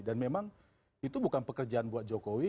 tapi itu pekerjaan buat jokowi